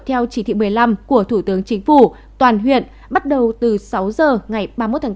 theo chỉ thị một mươi năm của thủ tướng chính phủ toàn huyện bắt đầu từ sáu giờ ngày ba mươi một tháng bốn